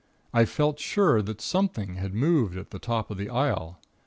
I felt sure that something had moved at the top of the aisle.